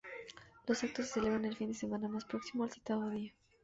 Los actos se celebran el fin de semana más próximo al citado día.